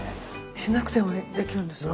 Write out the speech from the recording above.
しなくてもできるんですか？